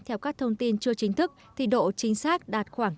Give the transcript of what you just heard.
theo các thông tin chưa chính thức thì độ chính xác đạt khoảng tám mươi năm